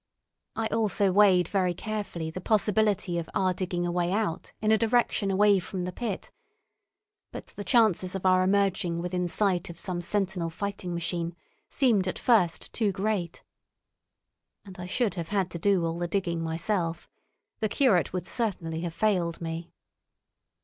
I also weighed very carefully the possibility of our digging a way out in a direction away from the pit, but the chances of our emerging within sight of some sentinel fighting machine seemed at first too great. And I should have had to do all the digging myself. The curate would certainly have failed me.